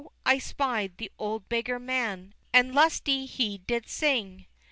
I spied the old beggar man, And lustily he did sing!